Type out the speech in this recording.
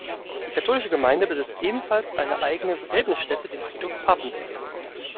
Die katholische Gemeinde besitzt ebenfalls eine eigene Begräbnisstätte, den Friedhof Papenberg.